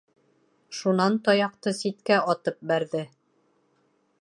Шунан таяҡты ситкә атып бәрҙе.